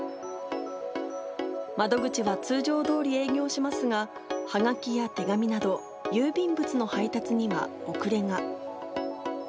窓口は通常どおり営業しますが、はがきや手紙など、郵便物の配達には遅れが。